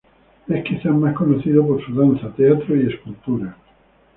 Es quizás más conocido por su danza, teatro y escultura.